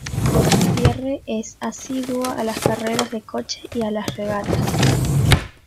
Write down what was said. Pierre es asiduo a las carreras de coches y las regatas.